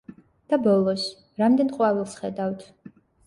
და ბოლოს: რამდენ ყვავილს ხედავთ?